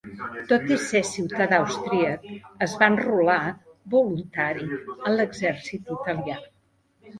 Tot i ser ciutadà austríac, es va enrolar voluntari en l'exèrcit italià.